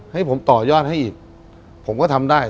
ให้ผมต่อยอดให้อีกผมก็ทำได้